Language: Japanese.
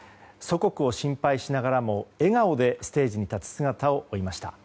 祖国を心配しながらも笑顔でステージに立つ姿を追いました。